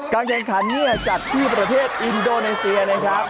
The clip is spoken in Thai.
กางแจกลันนี้จัดที่ประเทศอินโดนาิเซียนะครับ